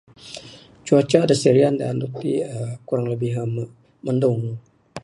Cuaca da Serian da andu tik, aaa kurang lebih [aaa]mendong.